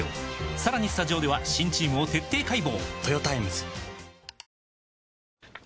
さらにスタジオでは新チームを徹底解剖！